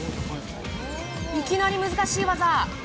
いきなり難しい技。